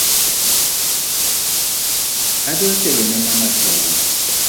Adwa tedo ne mama chai